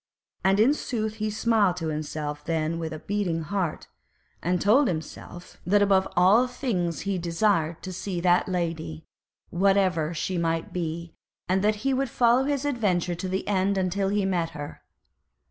And in sooth he smiled to himself then with a beating heart, as he told himself that above all things he desired to see that Lady, whatever she might be, and that he would follow his adventure to the end until he met her.